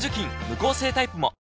無香性タイプも！